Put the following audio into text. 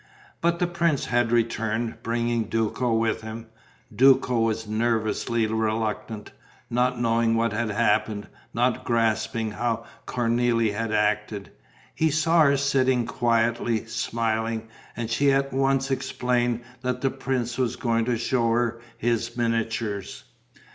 But the prince had returned, bringing Duco with him. Duco was nervously reluctant, not knowing what had happened, not grasping how Cornélie had acted. He saw her sitting quietly, smiling; and she at once explained that the prince was going to show her his miniatures.